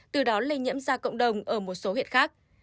từ đó lây nhiễm ra cộng đồng ở một số huyện khác